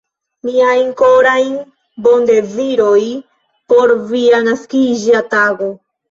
Miajn korajn bondezirojn por via naskiĝa tago!